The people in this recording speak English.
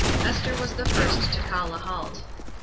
Esther was the first to call a halt.